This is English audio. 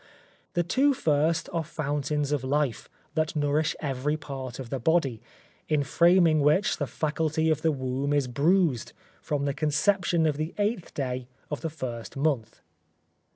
The two first are fountains of life, that nourish every part of the body, in framing which the faculty of the womb is bruised, from the conception of the eighth day of the first month.